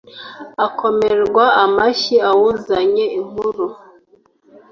akomerwa amashyi uwuzanye inkuru